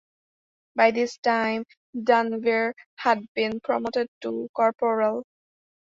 By this time Denvir had been promoted to corporal.